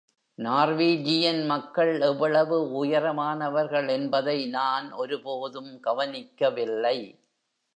Norwegian மக்கள் எவ்வளவு உயரமானவர்கள் என்பதை நான் ஒருபோதும் கவனிக்கவில்லை.